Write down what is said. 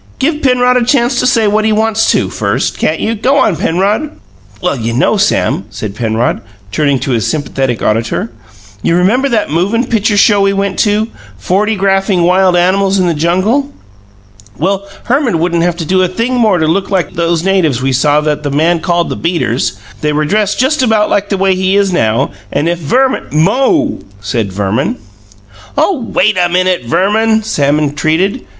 "Give Penrod a chance to say what he wants to, first, can't you? Go on, Penrod." "Well, you know, Sam," said Penrod, turning to this sympathetic auditor; "you remember that movin' pitcher show we went to, 'Fortygraphing Wild Animals in the Jungle'. Well, Herman wouldn't have to do a thing more to look like those natives we saw that the man called the 'beaters'. They were dressed just about like the way he is now, and if Verman " "MO!" said Verman. "Oh, WAIT a minute, Verman!" Sam entreated.